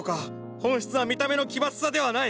本質は見た目の奇抜さではない。